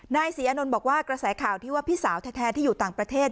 นายศรีอานนท์บอกว่ากระแสข่าวที่ว่าพี่สาวแท้ที่อยู่ต่างประเทศ